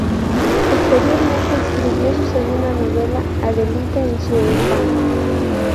Posteriormente, escribió su segunda novela, "Adelita en su desván".